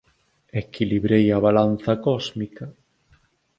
Equilibrei a balanza cósmica.